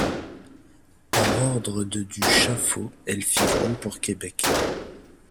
Par ordre de du Chaffault, elle fit voile pour Québec.